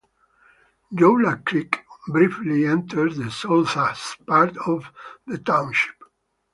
Joula Creek briefly enters the southeast part of the township.